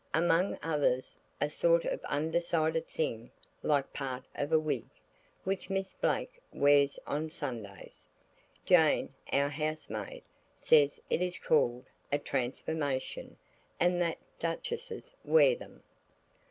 Among others, a sort of undecided thing like part of a wig, which Miss Blake wears on Sundays. Jane, our housemaid, says it is called a "transformation," and that duchesses wear them.